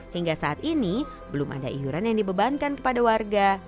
hingga saat ini belum ada iuran yang dibebankan kepada warga